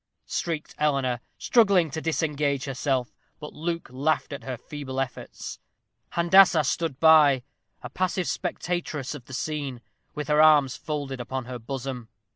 shrieked Eleanor, struggling to disengage herself. But Luke laughed at her feeble efforts. Handassah stood by, a passive spectatress of the scene, with her arms folded upon her bosom.